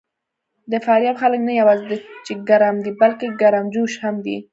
د فاریاب خلک نه یواځې دا چې ګرم دي، بلکې ګرمجوش هم دي.